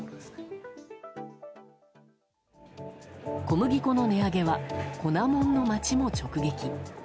小麦粉の値上げは粉もんの街も直撃。